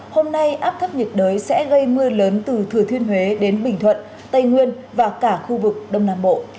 hôm nay áp thấp nhiệt đới sẽ gây mưa lớn từ thừa thiên huế đến bình thuận tây nguyên và cả khu vực đông nam bộ